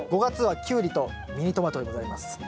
５月はキュウリとミニトマトでございます。